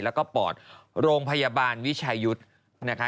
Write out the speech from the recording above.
แล้วก็ปอดโรงพยาบาลวิชายุทธ์นะคะ